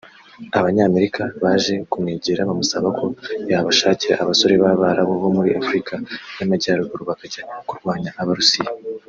Abanyamerika baje kumwegera bamusaba ko yabashakira abasore b’abarabu bo muri Afurika y’Amajyaruguru bakajya kurwanya Abarusiya